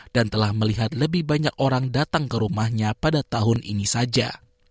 dan telah melihat lebih banyak orang datang ke rumahnya pada tahun ini saja